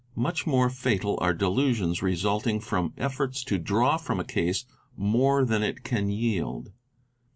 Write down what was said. Much more fatal are delusions resulting from efforts to draw from a case more than it can yield.